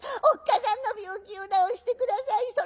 おっかさんの病気を治して下さい。